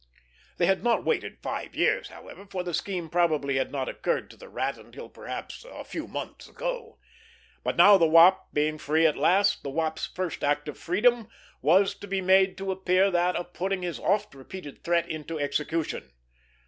They had not waited five years, however, for the scheme probably had not occurred to the Rat until perhaps a few months ago. But now the Wop being free at last, the Wop's first act of freedom was to be made to appear that of putting his oft repeated threat into execution.